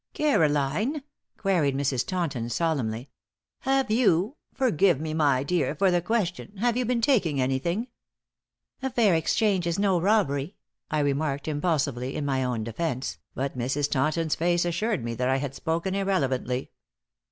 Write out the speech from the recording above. "Caroline," queried Mrs. Taunton, solemnly, "have you forgive me, my dear, for the question have you been taking anything?" "A fair exchange is no robbery," I remarked, impulsively, in my own defense, but Mrs. Taunton's face assured me that I had spoken irrelevantly.